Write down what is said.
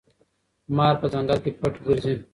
مار په ځنګل کې پټ ګرځي.